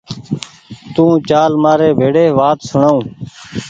تو چآل مآر ڀيڙي وآت سوڻآئو